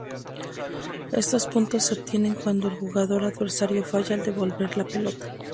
Estos puntos se obtienen cuando el jugador adversario falla al devolver la pelota.